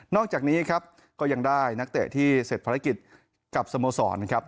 อกจากนี้ครับก็ยังได้นักเตะที่เสร็จภารกิจกับสโมสรนะครับ